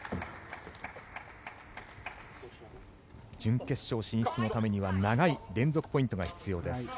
準決勝進出のためには長い連続ポイントが必要です。